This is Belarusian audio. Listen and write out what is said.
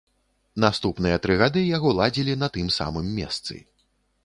Наступныя тры гады яго ладзілі на тым самым месцы.